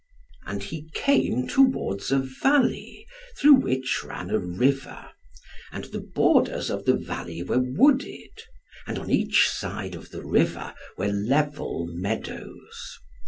And he came towards a valley, through which ran a river; and the borders of the valley were wooded, and on each side of the river were level meadows.